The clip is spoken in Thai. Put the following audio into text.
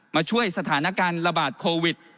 มาช่วยสถานการณ์ระบาดโควิด